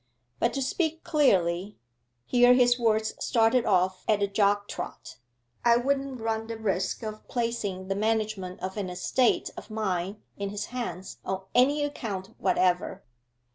But to speak clearly' (here his words started off at a jog trot) 'I wouldn't run the risk of placing the management of an estate of mine in his hands on any account whatever.